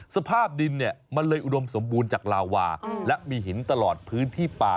สภาพดินเนี่ยมันเลยอุดมสมบูรณ์จากลาวาและมีหินตลอดพื้นที่ป่า